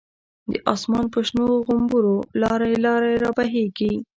د آسمان په شنو غومبرو، لاری لاری را بهیږی